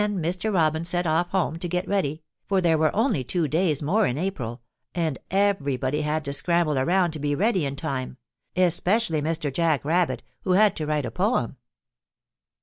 ] Then Mr. Robin set off home to get ready, for there were only two days more in April and everybody had to scramble around to be ready in time, especially Mr. Jack Rabbit, who had to write a poem.